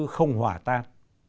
không hòa tan